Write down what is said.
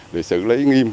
để xử lý nghiêm